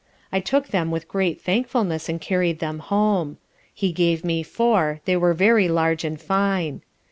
I took them with great thankfulness and carried them home: he gave me four, they were very large and fine.